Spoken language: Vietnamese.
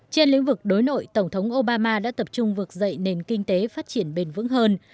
trên lĩnh vực đối nội tổng thống obama đã tập trung vực dậy nền kinh tế phát triển bền vững hơn